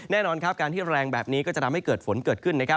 แน่นอนครับการที่แรงแบบนี้ก็จะทำให้เกิดฝนเกิดขึ้น